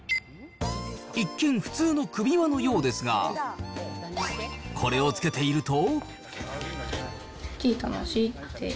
一見、普通の首輪のようですが、これをつけていると。